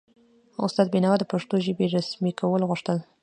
استاد بینوا د پښتو ژبې رسمي کول غوښتل.